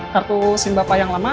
kartu simbapa yang lama